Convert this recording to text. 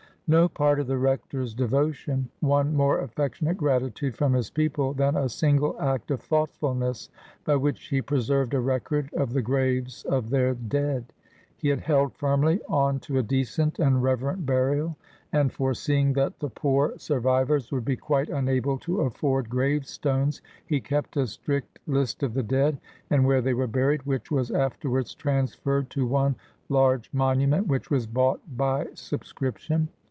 No part of the Rector's devotion won more affectionate gratitude from his people than a single act of thoughtfulness, by which he preserved a record of the graves of their dead. He had held firmly on to a decent and reverent burial, and, foreseeing that the poor survivors would be quite unable to afford gravestones, he kept a strict list of the dead, and where they were buried, which was afterwards transferred to one large monument, which was bought by subscription.